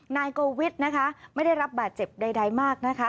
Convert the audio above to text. นายโกวิทนะคะไม่ได้รับบาดเจ็บใดมากนะคะ